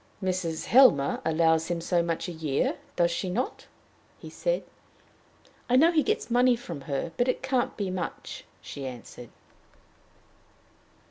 "Mrs. Helmer allows him so much a year does she not?" he said. "I know he gets money from her, but it can't be much," she answered.